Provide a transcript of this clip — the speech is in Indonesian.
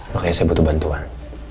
makanya saya butuh bantuan